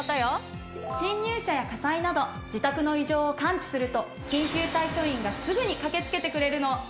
侵入者や火災など自宅の異常を感知すると緊急対処員がすぐに駆けつけてくれるの。